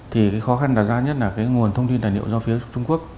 thì cái khó khăn đáng giá nhất là cái nguồn thông tin tài liệu do phía trung quốc